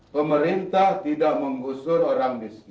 pemerintah tidak menggusur orang miskin